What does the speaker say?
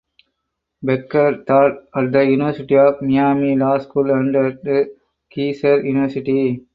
Becker taught at the University of Miami Law School and at Keiser University.